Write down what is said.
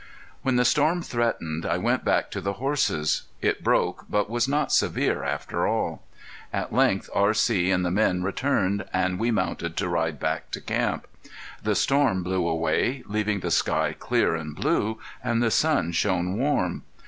When the storm threatened I went back to the horses. It broke, but was not severe after all. At length R.C. and the men returned and we mounted to ride back to camp. The storm blew away, leaving the sky clear and blue, and the sun shone warm.